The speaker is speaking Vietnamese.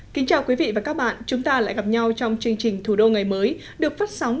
kính chào quý vị và các bạn chúng ta lại gặp nhau trong chương trình thủ đô ngày mới được phát sóng